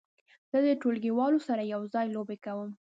زه د ټولګیوالو سره یو ځای لوبې کوم.